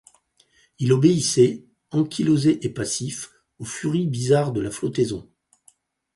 Il obéissait, ankylosé et passif, aux furies bizarres de la flottaison.